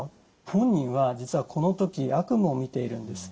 本人は実はこの時悪夢をみているんです。